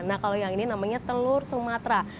nah kalau yang ini namanya telur sumatera